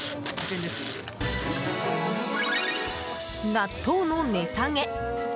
納豆の値下げ。